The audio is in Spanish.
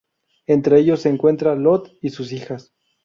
Entre ellos se encuentra Lot y sus hijas.